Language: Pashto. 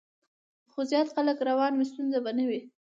خو زیات خلک روان وي، ستونزه به نه وي.